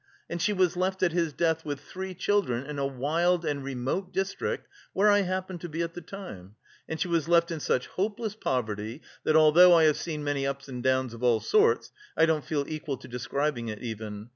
And she was left at his death with three children in a wild and remote district where I happened to be at the time; and she was left in such hopeless poverty that, although I have seen many ups and downs of all sort, I don't feel equal to describing it even.